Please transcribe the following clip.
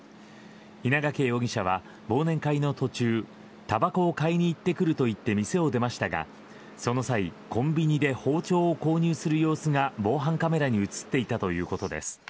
稲掛容疑者は忘年会の途中たばこを買いに行ってくると言って店を出ましたがその際、コンビニで包丁を購入する様子が防犯カメラに映っていたということです。